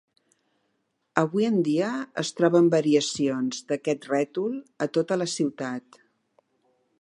Avui en dia es troben variacions d'aquest rètol a tota la ciutat.